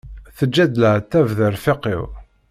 Teǧǧa-d leɛtab d arfiq-iw.